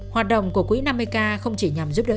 hoạt động của quỹ năm mươi k không chỉ nhằm giúp đỡ